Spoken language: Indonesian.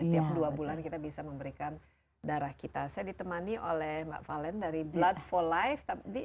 setiap dua bulan kita bisa memberikan darah kita saya ditemani oleh mbak valen dari blood for life tapi